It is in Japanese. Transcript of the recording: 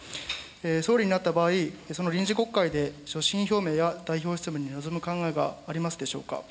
総理になった場合、その臨時国会で所信表明や代表質問に臨む考えがありますでしょうか。